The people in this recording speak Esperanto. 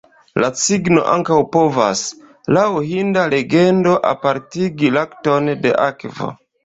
La cigno ankaŭ povas, laŭ hinda legendo, apartigi lakton de akvo.